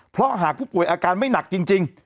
เพราะหากผู้ป่วยอาการไม่หนักจริง